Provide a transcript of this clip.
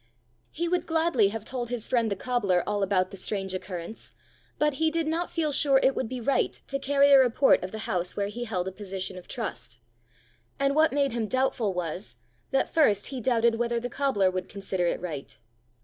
He would gladly have told his friend the cobbler all about the strange occurrence; but he did not feel sure it would be right to carry a report of the house where he held a position of trust; and what made him doubtful was, that first he doubted whether the cobbler would consider it right.